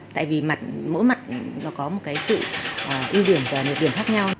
tại vì mỗi mặt nó có một cái sự ưu điểm và nhược điểm khác nhau